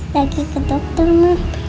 lagi ke dokter ma